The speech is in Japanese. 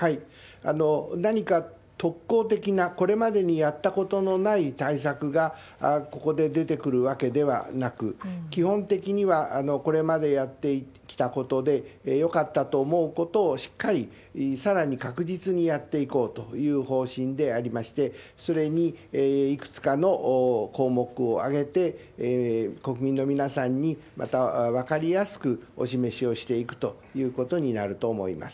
何か特効的な、これまでにやったことのない対策がここで出てくるわけではなく、基本的にはこれまでやってきたことでよかったと思うことをしっかり、さらに確実にやっていこうという方針でありまして、それにいくつかの項目を挙げて、国民の皆さんに、また分かりやすくお示しをしていくということになると思います。